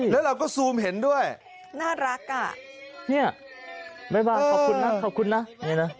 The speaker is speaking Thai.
แล้วเราก็ซูมเห็นด้วยน่ารักอ่ะเนี่ยแม่บ้านขอบคุณนะขอบคุณนะเนี่ยนะ